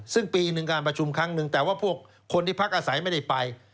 ซึ่งปีหนึ่งการประชุมครั้งหนึ่งแต่ว่าพวกคนที่พักอาศัยไม่ได้ไป